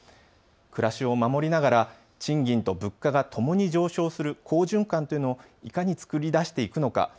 暮らしを守りながら賃金と物価がともに上昇する好循環というのをいかにつくり出していくのか。